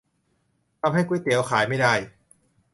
ทำให้ก๋วยเตี๋ยวขายไม่ได้ !